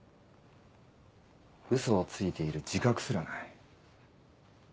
嘘をついている自覚すらない。